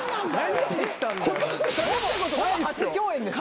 ほぼ初共演です。